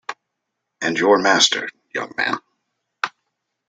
And your master, young man!